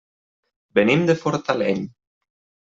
Venim de Fortaleny.